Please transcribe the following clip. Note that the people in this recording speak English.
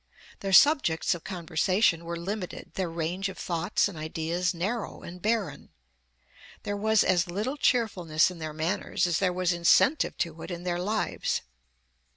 Their subjects of conversation were limited, their range of thoughts and ideas narrow and barren. There was as little cheerfulness in their manners as there was incentive to it in their lives.